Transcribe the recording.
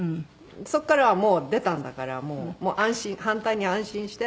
そこからはもう出たんだから安心反対に安心して。